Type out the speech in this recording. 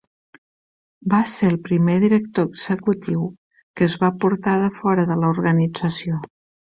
Va ser el primer director executiu que es va portar de fora de l'organització.